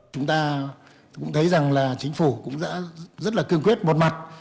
chúng ta cũng thấy rằng là chính phủ cũng đã rất là cương quyết một mặt